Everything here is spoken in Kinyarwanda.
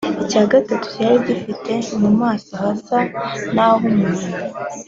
icya gatatu cyari gifite mu maso hasa n’ah’umuntu,